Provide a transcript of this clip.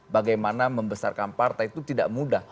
bagaimana membesarkan partai itu tidak mudah